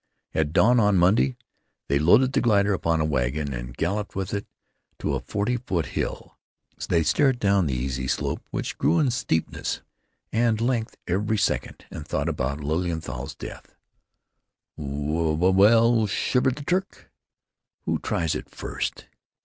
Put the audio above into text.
At dawn on Monday they loaded the glider upon a wagon and galloped with it out to a forty foot hill. They stared down the easy slope, which grew in steepness and length every second, and thought about Lilienthal's death. "W w well," shivered the Turk, "who tries it first?"